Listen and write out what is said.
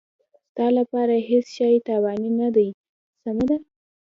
ستا لپاره هېڅ شی تاواني نه دی، سمه ده.